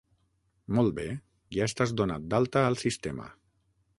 Molt bé, ja estàs donat d'alta al sistema.